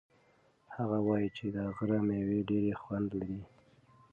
هغه وایي چې د غره مېوې ډېر خوند لري.